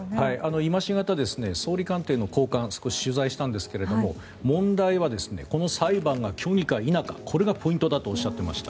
今しがた総理官邸の高官を少し取材したんですが問題はこの裁判が虚偽か否かこれがポイントだとおっしゃっていました。